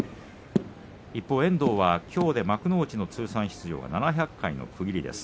一方の遠藤は、きょうで幕内の通算出場が７００回の区切りです。